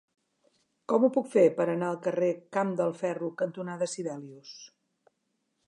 Com ho puc fer per anar al carrer Camp del Ferro cantonada Sibelius?